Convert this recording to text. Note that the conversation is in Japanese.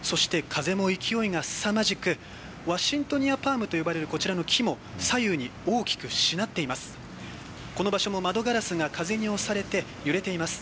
風も勢いがすさまじくワシントンパームと呼ばれるこちらの木も左右に大きくしなっています。